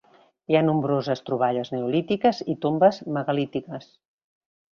Hi ha nombroses troballes neolítiques i tombes megalítiques.